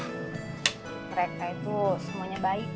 mereka itu semuanya baik